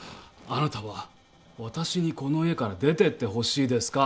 あなたは私にこの家から出てってほしいですか？